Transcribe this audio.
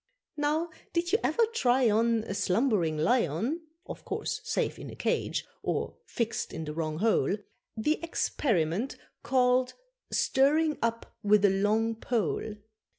Now did you ever try on A slumbering lion (Of course safe in a cage, or fixed in the wrong hole) The experiment called stirring up with a long pole?